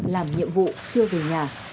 làm nhiệm vụ chưa về nhà